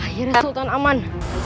akhirnya sultan aman